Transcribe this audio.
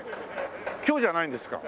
今日じゃないんですか？